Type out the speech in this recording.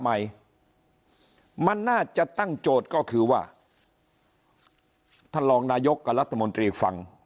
ใหม่มันน่าจะตั้งโจทย์ก็คือว่าท่านรองนายกกับรัฐมนตรีฟัง